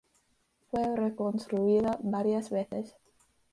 Fue reconstruida varias veces.